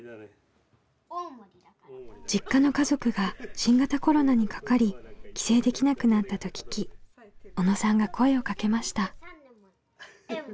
実家の家族が新型コロナにかかり帰省できなくなったと聞き小野さんが声をかけました。